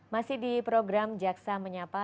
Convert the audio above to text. masih di program jaksa menyapa